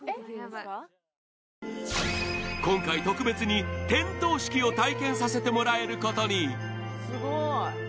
今回特別に点灯式を体験させてもらえることにすごい。